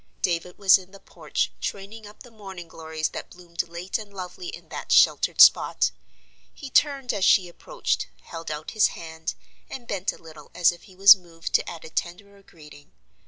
David was in the porch, training up the morning glories that bloomed late and lovely in that sheltered spot. He turned as she approached, held out his hand, and bent a little as if he was moved to add a tenderer greeting.